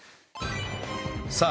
さあ